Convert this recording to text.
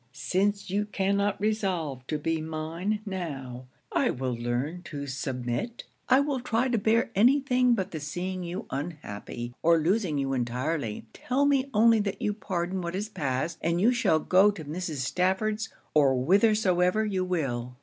Since you cannot resolve to be mine now, I will learn to submit I will try to bear any thing but the seeing you unhappy, or losing you entirely! Tell me only that you pardon what is past, and you shall go to Mrs. Stafford's, or whithersoever you will.'